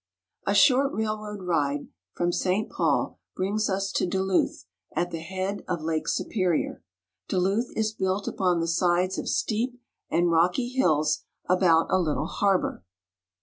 A SHORT railroad ride from St. Paul brings us to Du luth, at the head of Lake Superior. Duluth is built upon the sides of steep and rocky hills about a little harbor.